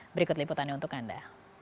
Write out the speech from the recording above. berikut liputannya untuk anda